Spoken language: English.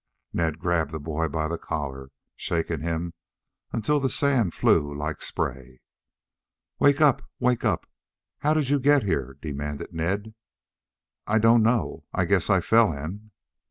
Ned grabbed the boy by the collar, shaking him until the sand flew like spray. "Wake up! Wake up! How did you get here?" demanded Ned. "I I don't know. I I guess I fell in."